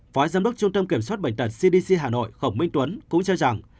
phó giám đốc trung tâm kiểm soát bệnh tật cdc hà nội khổng minh tuấn cũng cho rằng